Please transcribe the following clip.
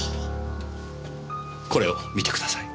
これを見てください。